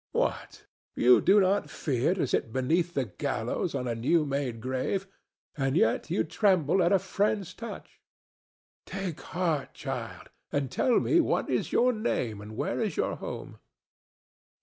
What! you do not fear to sit beneath the gallows on a new made grave, and yet you tremble at a friend's touch? Take heart, child, and tell me what is your name and where is your home."